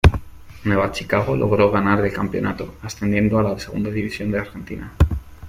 Nueva Chicago logró ganar el campeonato, ascendiendo a la segunda división de Argentina.